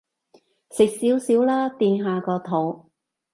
食少少啦，墊下個肚